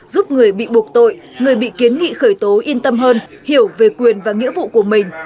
giúp người bị buộc tội người bị kiến nghị khởi tố yên tâm hơn hiểu về quyền và nghĩa vụ của mình